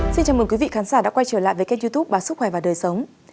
xin chào mừng quý vị khán giả đã quay trở lại với kênh youtube báo sức khỏe và đời sống